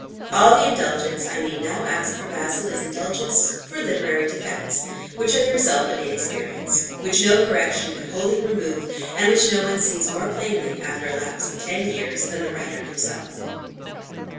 All the indulgence I need now ask for "Basil," is indulgence for literary defects, which are the result of inexperience; which no correction can wholly remove; and which no one sees more plainly, after a lapse of ten years, than the writer himself.